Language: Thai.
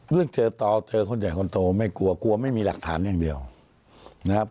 เรื่องเจอต่อเจอคนใหญ่คนโตไม่กลัวกลัวไม่มีหลักฐานอย่างเดียวนะครับ